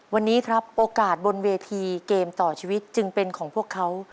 วันนี้ครับโอกาสบนเวทีเกมต่อชีวิตจึงเป็นของพวกเขา